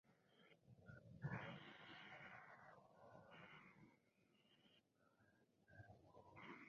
Her paternal grandfather was Gov.